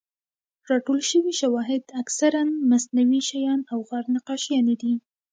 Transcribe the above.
راټول شوي شواهد اکثراً مصنوعي شیان او غار نقاشیانې دي.